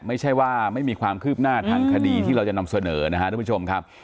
ไม่ใช่ว่าไม่มีความคืบหน้าทางคดีที่เราจะนำเสนอนะครับทุกผู้ชมครับ